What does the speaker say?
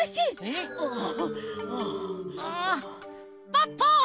ポッポ！